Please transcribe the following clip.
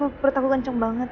aku perut aku kenceng banget